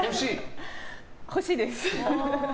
欲しいです！